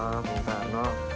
wah bintang enok